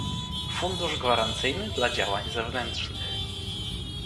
Fundusz Gwarancyjny dla działań zewnętrznych